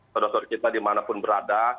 saudara saudara kita dimanapun berada